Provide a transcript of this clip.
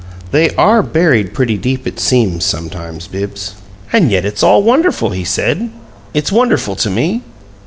They ARE buried pretty deep, it seems, sometimes, Bibbs." "And yet it's all wonderful," he said. "It's wonderful to me."